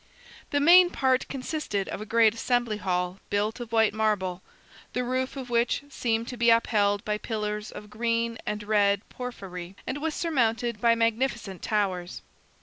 The main part consisted of a great Assembly Hall built of white marble, the roof of which seemed to be upheld by pillars of green and red porphyry, and was surmounted by magnificent towers.